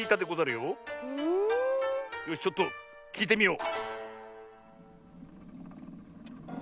よしちょっときいてみよう。